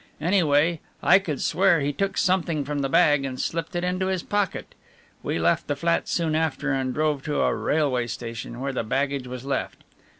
Anyway, I could swear he took something from the bag and slipped it into his pocket. We left the flat soon after and drove to a railway station where the baggage was left.